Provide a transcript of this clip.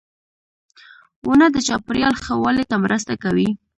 • ونه د چاپېریال ښه والي ته مرسته کوي.